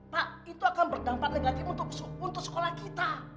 pak itu akan berdampak negatif untuk sekolah kita